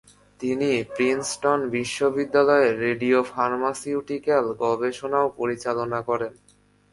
তিনি প্রিন্সটন বিশ্ববিদ্যালয়ে রেডিওফার্মাসিউটিক্যাল গবেষণাও পরিচালনা করেন।